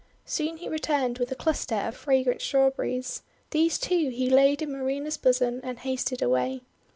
Soon he returned with a cluster of fragrant Strawberries. These, too, he laid in Marina's bosom, and hasted away.